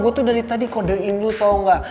gue tuh dari tadi kodein lu tau gak